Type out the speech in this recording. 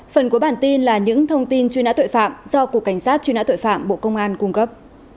phần cuối bản tin là những thông tin chuyên án tội phạm do cục cảnh sát chuyên án tội phạm bộ công an cung cấp